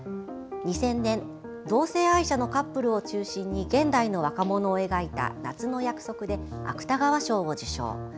２０００年同性愛者のカップルを中心に現代の若者を描いた「夏の約束」で芥川賞を受賞。